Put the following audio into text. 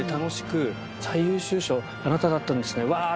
最優秀賞あなただったんですねわ！